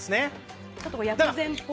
薬膳っぽい。